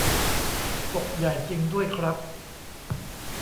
ปกใหญ่จริงด้วยครับ